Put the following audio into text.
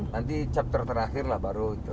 nanti chapter terakhirlah baru itu